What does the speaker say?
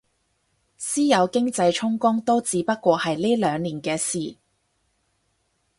私有經濟充公都只不過係呢兩年嘅事